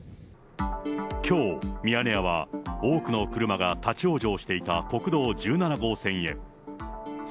きょう、ミヤネ屋は多くの車が立往生していた国道１７号線へ。